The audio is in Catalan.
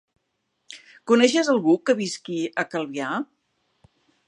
Coneixes algú que visqui a Calvià?